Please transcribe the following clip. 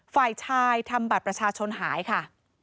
ฝ่ายชายทำบัตรประชาชนหายค่ะ